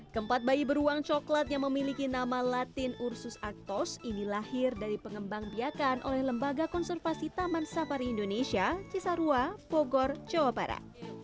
kempat bayi beruang coklat yang memiliki nama latin ursus actos ini lahir dari pengembang biakan oleh lembaga konservasi taman sapari indonesia cisarua pogor cewapara